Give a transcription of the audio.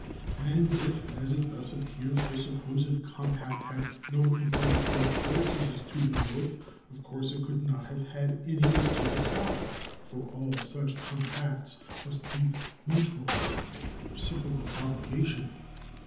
And if, as it thus appears, the supposed compact had no obligatory force as to the North, of course it could not have had any as to the South, for all such compacts must be mutual and of reciprocal obligation.